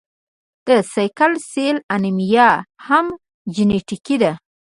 د سیکل سیل انیمیا هم جینیټیکي ده.